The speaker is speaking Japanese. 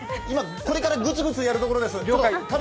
これからグツグツやるところです。